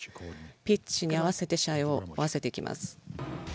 ピッチに合わせて試合を合わせていきます。